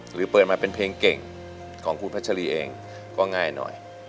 หรือเปิดมาเป็นเพลงเก่งของคุณพัชรีเองก็ง่ายหน่อย